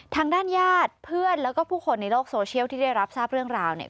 ทางด้านญาติเพื่อนแล้วก็ผู้คนในโลกโซเชียลที่ได้รับทราบเรื่องราวเนี่ย